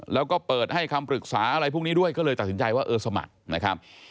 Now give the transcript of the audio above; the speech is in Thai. แล้วก็เปิดให้คำปรึกษาอะไรพวกนี้ด้วยก็เลยตัดสินใจว่าเออสมัครนะครับ